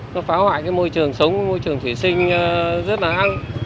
nó phá hoại môi trường sống môi trường thủy sinh rất là năng